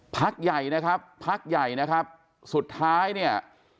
พักใหญ่นะครับพักใหญ่นะครับสุดท้ายเนี่ย